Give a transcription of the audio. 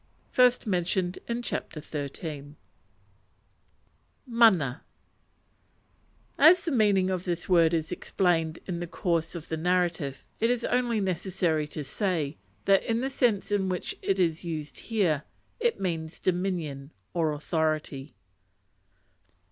p. 174. Mana As the meaning of this word is explained in the course of the narrative, it is only necessary to say that in the sense in which it is used here, it means dominion or authority.